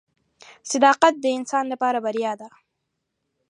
• صداقت د انسان لپاره بریا ده.